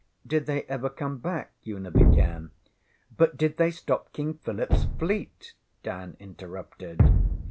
ŌĆśDid they ever come back? ŌĆÖ Una began; but ŌĆśDid they stop King PhilipŌĆÖs fleet? ŌĆÖ Dan interrupted.